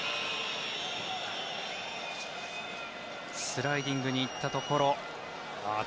スライディングに行ったところ。